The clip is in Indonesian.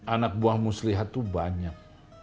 anak buah mus lihat tuh banyak